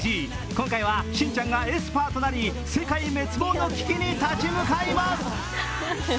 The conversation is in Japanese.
今回はしんちゃんがエスパーとなり、世界滅亡の危機に立ち向かいます。